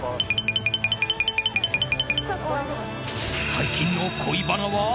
最近の恋バナは？